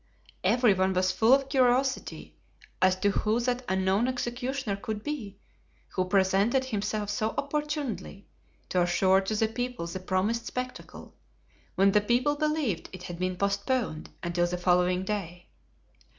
Every one was full of curiosity as to who that unknown executioner could be who presented himself so opportunely to assure to the people the promised spectacle, when the people believed it had been postponed until the following day.